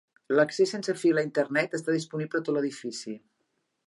L'accés sense fil a Internet està disponible a tot l'edifici.